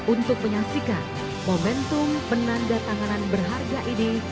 untuk menyaksikan momentum penanda tanganan berharga ini